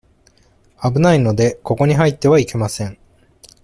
危ないので、ここに入ってはいけません。